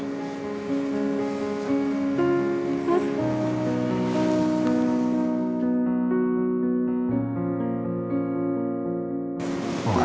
enggak kamu gak salah